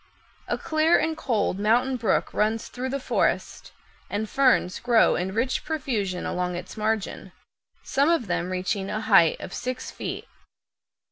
A clear and cold mountain brook runs through the forest, and ferns grow in rich profusion along its margin, some of them reaching a height of six feet.